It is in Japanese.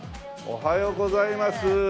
おはようございます。